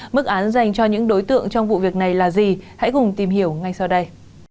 mức án dành cho những đối tượng trong vụ việc này là gì hãy cùng tìm hiểu ngay sau đây